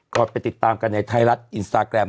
ขอติดตามในไทยรัฐอินสตาร์แรม